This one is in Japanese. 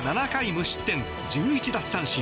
無失点１１奪三振。